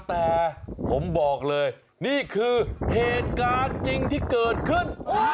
แต่ผมบอกเลยนี่คือเหตุการณ์จริงที่เกิดขึ้น